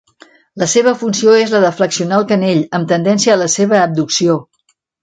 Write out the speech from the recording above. La seva funció és la de flexionar el canell, amb tendència a la seva abducció.